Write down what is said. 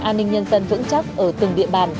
an ninh nhân dân vững chắc ở từng địa bàn